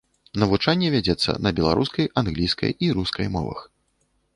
Навучанне вядзецца на беларускай, англійскай і рускай мовах.